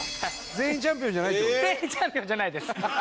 全員チャンピオンじゃないです。